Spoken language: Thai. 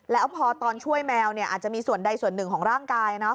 แล้วพอตอนช่วยแมวอาจจะมีส่วนใดส่วนหนึ่งของร่างกาย